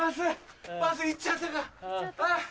バス行っちゃったかあぁ